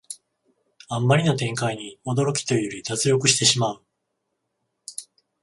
あんまりな展開に驚きというより脱力してしまう